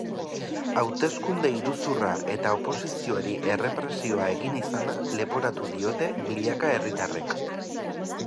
Hauteskunde-iruzurra eta oposizioari errepresioa egin izana leporatu diote milaka herritarrek.